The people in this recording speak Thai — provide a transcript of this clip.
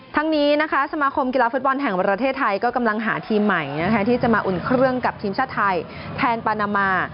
ทั้งนี้นะคะสมาคมกีฬาฟุตบอลแห่งประเทศไทยก็กำลังหาทีมใหม่ที่จะมาอุ่นเครื่องกับทีมชาติไทยแทนปานามา